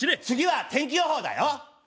次は天気予報だよ。